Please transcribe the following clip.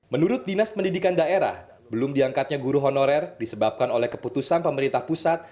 menurut dinas pendidikan daerah belum diangkatnya guru honorer disebabkan oleh keputusan pemerintah pusat